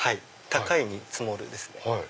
「高い」に「積もる」ですね。